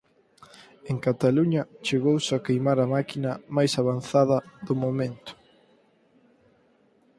En Cataluña chegouse a queimar a máquina máis avanzada do momento.